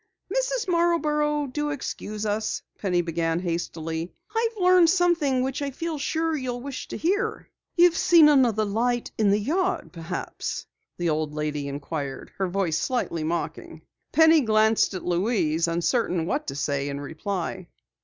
"Mrs. Marborough, do excuse us," Penny began hastily. "I've learned something which I feel sure you'll wish to hear." "You've seen another light in the yard perhaps?" the old lady inquired, her voice slightly mocking. Penny glanced at Louise, uncertain what to say in reply.